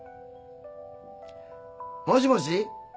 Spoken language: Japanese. もしもし。